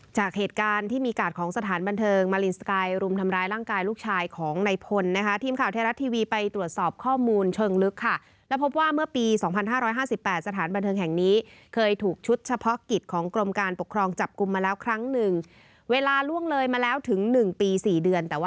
จากเหตุการณ์ที่มีกาดของสถานบันเทิงมารินสกายรุมทำร้ายร่างกายลูกชายของในพลนะคะทีมข่าวไทยรัฐทีวีไปตรวจสอบข้อมูลเชิงลึกค่ะแล้วพบว่าเมื่อปี๒๕๕๘สถานบันเทิงแห่งนี้เคยถูกชุดเฉพาะกิจของกรมการปกครองจับกลุ่มมาแล้วครั้งหนึ่งเวลาล่วงเลยมาแล้วถึง๑ปี๔เดือนแต่ว่า